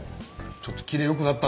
ちょっとキレよくなった。